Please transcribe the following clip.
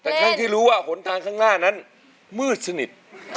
หรือว่าหลวงทางข้างหน้านั้นมืดสนิท